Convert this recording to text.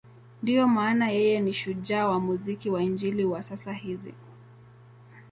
Ndiyo maana yeye ni shujaa wa muziki wa Injili wa sasa hizi.